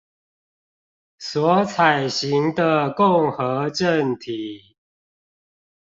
所採行的共和政體